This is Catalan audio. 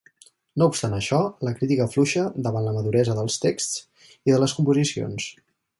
No obstant això, la crítica afluixa davant la maduresa dels texts i de les composicions.